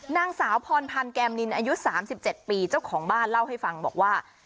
นางสาวพรพันธ์แก้มนินอายุ๓๗ปีเจ้าของบ้านเล่าให้ฟังบอกว่า